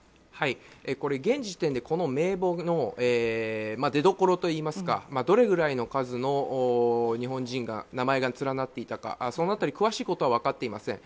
現時点でこの名簿の出どころといいますかどれぐらいの数の日本人の名前が連なっていたかその辺りは詳しいことは分かっていません。